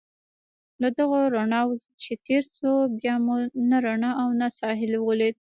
له دغو رڼاوو چې تېر شوو، بیا مو نه رڼا او نه ساحل ولید.